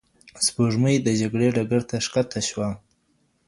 سپوږمۍ د جګړې ډګر ته ښکته شوه